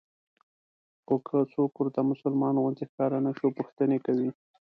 خو که څوک ورته مسلمان غوندې ښکاره نه شو پوښتنې کوي.